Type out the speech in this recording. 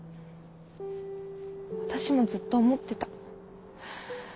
私もずっと思ってた。